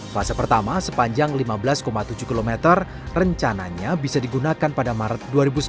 fase pertama sepanjang lima belas tujuh km rencananya bisa digunakan pada maret dua ribu sembilan belas